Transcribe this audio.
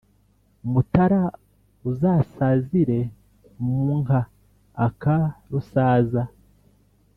mutara uzasazire mu nka aka rusaza*,